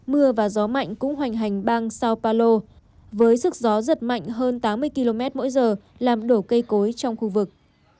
mưa và gió mạnh cũng hoành hành bang sao paulo với sức gió giật mạnh hơn tám mươi km mỗi giờ làm đổ cây cối trong khu vực